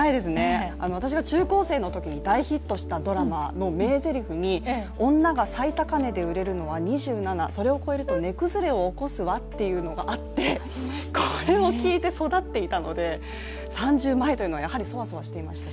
私が高校生のときに大ヒットしたドラマの名ゼリフに「女が最高値で売れるのは２７」、「それを超えると値崩れを起こすわ」っていうのがあって、これを聞いて育っていたので３０前というのは、やはりそわそわしていました。